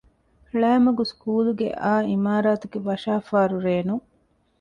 ޅައިމަގު ސްކޫލްގެ އައު އިމާރާތުގެ ވަށާފާރު ރޭނުން